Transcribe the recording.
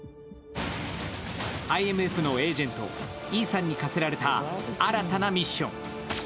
ＩＭＦのエージェント・イーサンに課せられた新たなミッション。